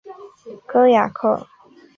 戈雅克。